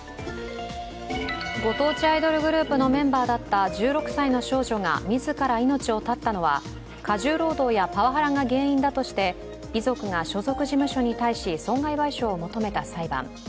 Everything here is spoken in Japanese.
御当地アイドルグループのメンバーだった１６歳の少女が自ら命を絶ったのは、過重労働やパワハラが原因だとして遺族が所属事務所に対し、損害賠償を求めた裁判。